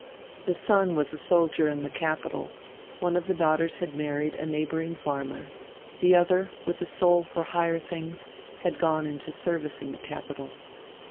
The son was a soldier in the capital, one of the daughters had married a neighbouring farmer, the other, with a soul for higher things, had gone into service in the capital.